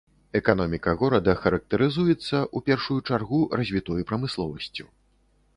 Эканоміка горада характарызуецца, у першую чаргу, развітой прамысловасцю.